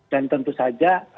dan tentu saja